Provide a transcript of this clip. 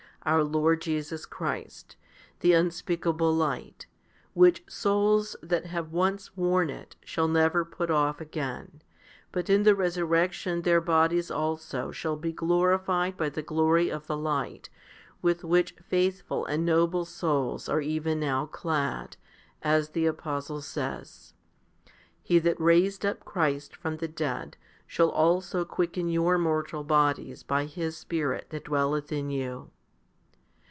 our Lord Jesus Christ, the un speakable light, which souls that have once worn it shall never put off again, but in the resurrection their bodies also shall be glorified by the glory of the light, with which faith ful and noble souls are even now clad, as the apostle saySj He that raised up Christ from the dead shall also quicken your mortal bodies by His Spirit that dwelleth in you.